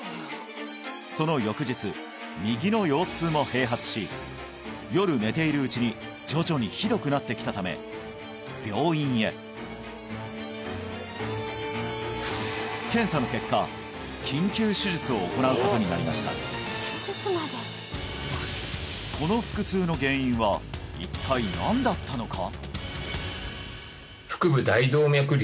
その翌日右の腰痛も併発し夜寝ているうちに徐々にひどくなってきたため病院へ検査の結果緊急手術を行うことになりました何だったのか？